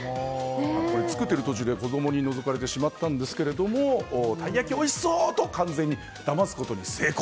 作っている途中で子供にのぞかれてしまったんですがたい焼きおいしそう！と完全にだますことに成功。